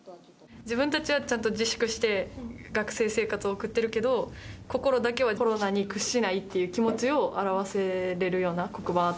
自分たちはちゃんと自粛して、学生生活を送っているけど、心だけはコロナに屈しないっていう気持ちを表せれるような黒板